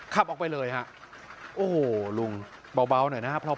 ขับออกไปเลยฮะโอ้โหลุงเบาหน่อยนะครับ